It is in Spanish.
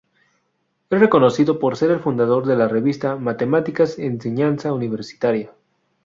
Es reconocido por ser el fundador de la revista "Matemáticas: Enseñanza Universitaria".